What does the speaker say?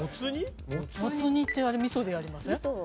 もつ煮ってあれ味噌でやりません？